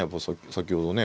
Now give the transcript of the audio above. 先ほどね。